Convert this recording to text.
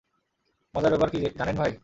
মজার ব্যাপার কী, জানেন ভাই?